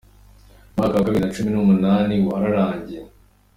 Umwaka wa bibiri na cumi n’umunani wararangiye.